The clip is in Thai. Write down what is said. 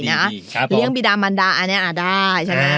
เลี้ยงบีดามันดาก็ได้